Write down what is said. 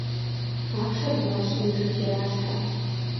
Ахъшэр гуащэм и жып иралъхьэ.